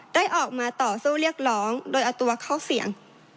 ได้ออกมาต่อสู้เรียกร้องโดยเอาตัวเข้าเสี่ยง